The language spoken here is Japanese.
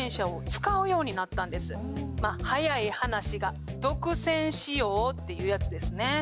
まあ早い話が独占使用っていうやつですね。